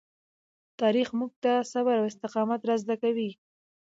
تاریخ موږ ته صبر او استقامت را زده کوي.